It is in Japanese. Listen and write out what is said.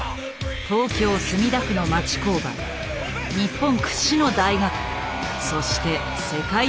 東京・墨田区の町工場日本屈指の大学そして世界的な自動車メーカー。